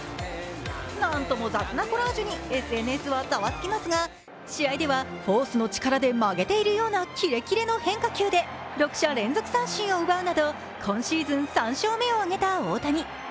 なんとも雑なコラージュにＳＮＳはザワつきますが試合ではフォースの力で曲げているようなキレッキレの変化球で６者連続三振を奪うなど今シーズン３勝目を挙げた大谷。